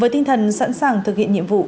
với tinh thần sẵn sàng thực hiện nhiệm vụ